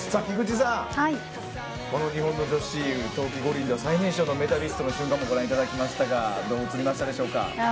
菊池さんこの日本女子、冬季五輪では最年少のメダリストの瞬間もご覧いただきましたがどう映りましたか？